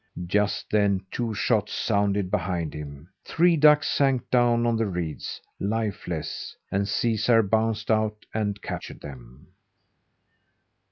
Just then, two shots sounded behind him. Three ducks sank down in the reeds lifeless and Caesar bounced out and captured them.